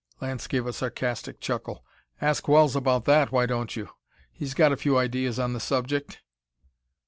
Lance gave a sarcastic chuckle. "Ask Wells about that, why don't you? He's got a few ideas on the subject."